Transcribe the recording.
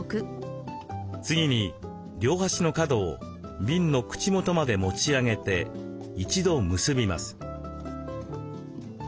次に両端の角を瓶の口元まで持ち上げて一度結びます。